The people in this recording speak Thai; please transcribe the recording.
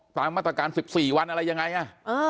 ตามมาตรการสิบสี่วันอะไรยังไงอ่ะเออ